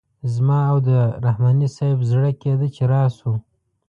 زما او د رحماني صیب زړه کیده چې راشو.